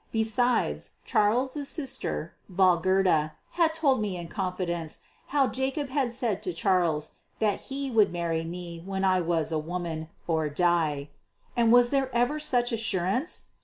Besides, Charles's sister Valgerda had told me in confidence how Jacob had said to Charles that he would marry me when I was a woman, or die. And was there ever such assurance?